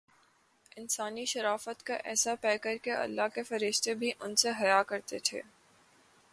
انسانی شرافت کاایسا پیکرکہ اللہ کے فرشتے بھی ان سے حیا کرتے تھے۔